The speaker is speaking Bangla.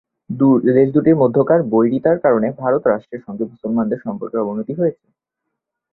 দেশ দুটির মধ্যকার বৈরিতার কারণে ভারত রাষ্ট্রের সঙ্গে মুসলমানদের সম্পর্কের অবনতি হয়েছে।